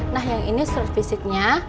nah yang ini surat fisiknya